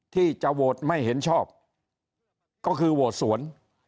ที่จะโหวตไม่เห็นชอบก็คือโหวตสวน